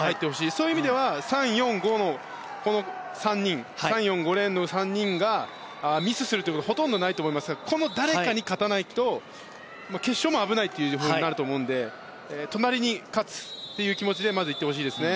そういう意味では３、４、５レーンの３人がミスするということはほとんどないと思いますがこの誰かに勝たないと決勝も危ないというふうになると思うので隣に勝つという気持ちでまず行ってほしいですね。